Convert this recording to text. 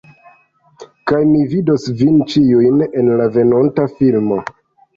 Kaj mi vidos vin ĉiujn en la venonta filmo.